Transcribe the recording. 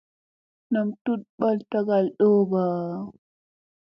Nam tuɗ ɓal tagal ɗowba.